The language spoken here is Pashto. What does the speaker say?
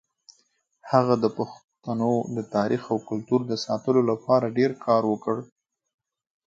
هغه د پښتنو د تاریخ او کلتور د ساتلو لپاره ډېر کار وکړ.